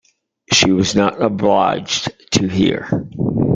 She was not obliged to hear.